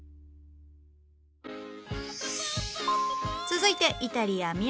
続いてイタリアミラノ。